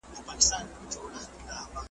زر یې پټ تر وني لاندي کړل روان سول .